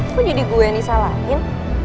aku jadi gue yang disalahin